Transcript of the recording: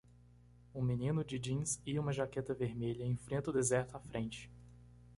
Um menino de jeans e uma jaqueta vermelha enfrenta o deserto à frente.